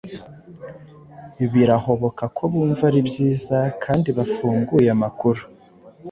birahoboka ko bumva ari byiza kandi bafunguye amakuru